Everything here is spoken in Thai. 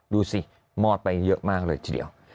ดูสิมอดไปเยอะมากเลยทีเดียว